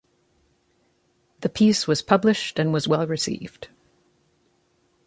The piece was published and was well received.